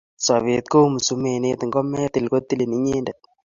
Sobet kou msumenet ngo metil kotilin inyendet